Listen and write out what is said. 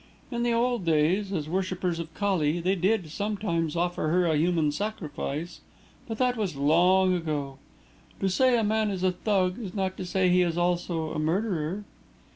In the old days, as worshippers of Kali, they did, sometimes, offer her a human sacrifice; but that was long ago. To say a man is a Thug is not to say he is also a murderer."